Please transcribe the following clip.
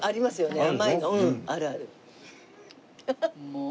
もう。